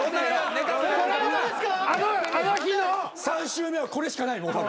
３週目はこれしかないもう。